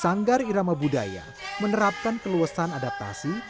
sanggar irama budaya menerapkan keluasan adaptasi